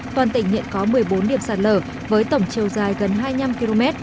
toàn tỉnh hiện có một mươi bốn điểm sạt lở với tổng chiều dài gần hai mươi năm km